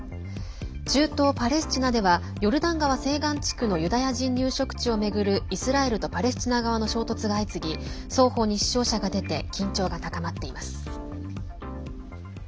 中東パレスチナではヨルダン川西岸地区のユダヤ人入植者を巡るイスラエルとパレスチナ側の衝突が相次ぎ双方に死傷者が出て緊張が高まっています。